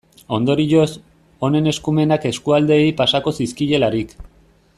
Ondorioz, honen eskumenak eskualdeei pasako zizkielarik.